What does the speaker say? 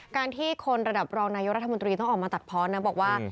การที่คนระดับรองนายกรัฐมนตรีต้องออกมาตัดเพาะนะบอกว่า